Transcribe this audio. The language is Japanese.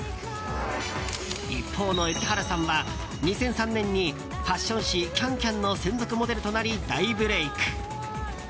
一方の蛯原さんは２００３年にファッション誌「ＣａｎＣａｍ」の専属モデルとなり大ブレーク。